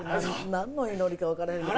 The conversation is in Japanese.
なんの祈りかわからへん。